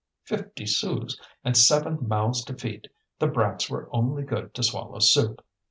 Fifty sous, and seven mouths to feed! The brats were only good to swallow soup.